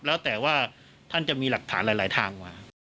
แล้วแต่ว่าท่านจะมีหลักฐานหลายทางมา